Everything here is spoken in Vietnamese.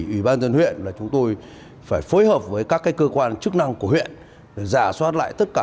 ủy ban dân huyện là chúng tôi phải phối hợp với các cơ quan chức năng của huyện giả soát lại tất cả